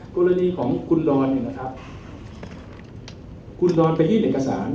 กรณีของคุณลอนคุณลอนไปที่เหนือกสาร